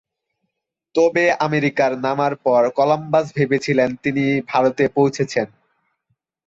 তবে আমেরিকায় নামার পর কলম্বাস ভেবেছিলেন তিনি ভারতে পৌঁছেছেন।